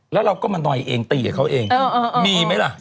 และเราก็มันนอยเองตีกับเขาเองมีมั้ยเหรอ